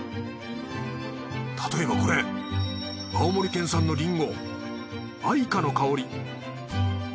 例えばこれ青森県産のリンゴあいかの香り。